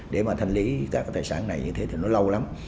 để thành lý các tài sản này thì nó lâu lắm